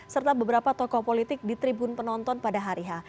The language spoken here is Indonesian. serta beberapa tokoh politik di tribun penonton pada hari h